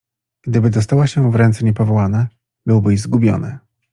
"Gdyby dostała się w ręce niepowołane, byłbyś zgubiony."